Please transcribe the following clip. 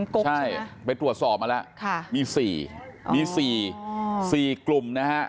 กบใช่ไปตรวจสอบมาแล้วมี๔มี๔๔กลุ่มนะฮะ